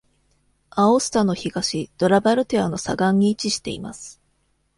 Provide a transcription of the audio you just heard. アオスタの東、ドラバルテアの左岸に位置しています。